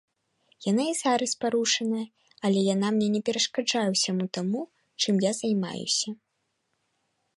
Яна і зараз парушаная, але яна мне не перашкаджае ўсяму таму, чым я займаюся.